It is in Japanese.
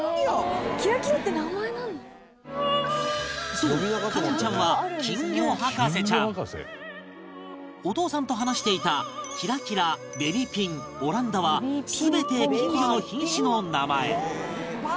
そう叶穏ちゃんはお父さんと話していた「キラキラ」「ベビピン」「オランダ」は全て金魚の品種の名前